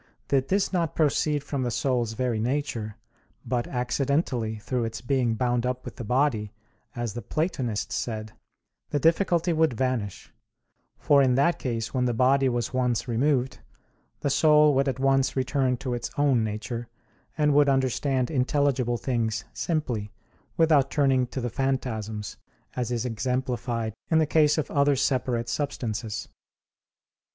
Did this not proceed from the soul's very nature, but accidentally through its being bound up with the body, as the Platonists said, the difficulty would vanish; for in that case when the body was once removed, the soul would at once return to its own nature, and would understand intelligible things simply, without turning to the phantasms, as is exemplified in the case of other separate substances.